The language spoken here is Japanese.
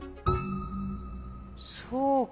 そうか。